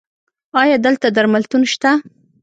ایا دلته درملتون شته؟